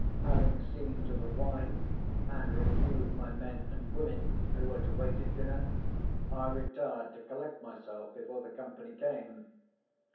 Having seen to the wine, and reviewed my men and women who were to wait at dinner, I retired to collect myself before the company came.